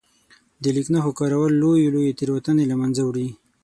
د لیک نښو کارول لويې لويې تېروتنې له منځه وړي.